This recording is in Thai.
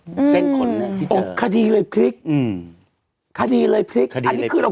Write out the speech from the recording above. อืมเส้นขนเนี่ยที่เจออ๋อคดีเลยพลิกอืมคดีเลยพลิกคดีเลยอันนี้คือเรา